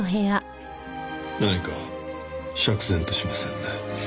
何か釈然としませんね。